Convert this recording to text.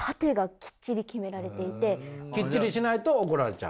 きっちりしないと怒られちゃう？